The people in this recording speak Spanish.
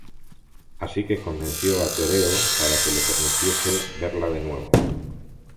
Así que convenció a Tereo para que le permitiese verla de nuevo.